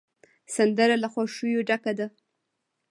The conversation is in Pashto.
سندره له خوښیو ډکه ده